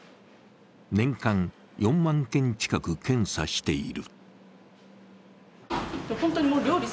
年間４万件近く、検査している。